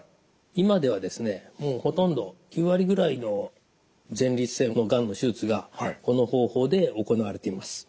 今ではですねもうほとんど９割ぐらいの前立腺のがんの手術がこの方法で行われています。